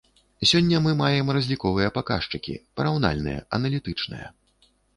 Сёння мы маем разліковыя паказчыкі, параўнальныя, аналітычныя.